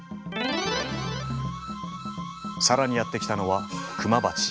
更にやって来たのはクマバチ。